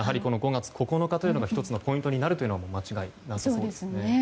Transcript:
５月９日というのが１つのポイントになるのは間違いなさそうですね。